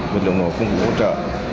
và lượng nổ công cụ hỗ trợ